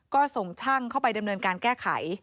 ก็ส่งช่างเข้าไปดำเนินการแก้ไข